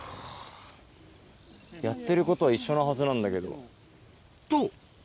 やってることは一緒のはずなんだけど。と！